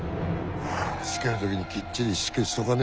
しつける時にきっちりしつけしとかね